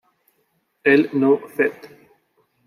El no fet.